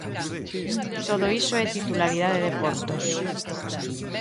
Todo iso é titularidade de Portos.